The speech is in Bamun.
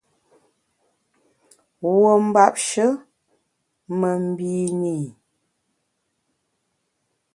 Wuo mbapshe me mbine i.